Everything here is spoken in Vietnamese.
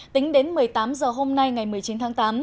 tính đến một mươi tám h hôm nay ngày một mươi chín tháng tám